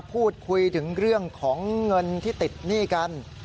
พูดคุยถึงเรื่องของเงินที่ติดหนี้กัน